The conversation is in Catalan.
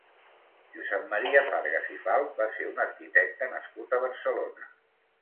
Josep Maria Fargas i Falp va ser un arquitecte nascut a Barcelona.